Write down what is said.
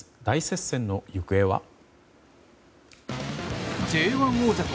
大接戦の行方は？